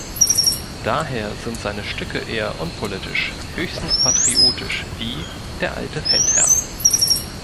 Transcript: Daher sind seine Stücke eher unpolitisch, höchstens patriotisch wie "Der alte Feldherr".